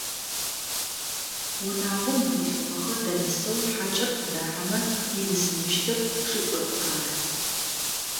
Унагъом ихъулъфыгъэхэр дэмысэу хьакӏэр къыдахьэмэ ибысымыщтыр шышӏоӏур ары.